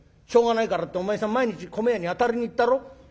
しょうがないからってお前さん毎日米屋にあたりに行ったろ。